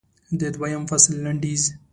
د دویم فصل لنډیز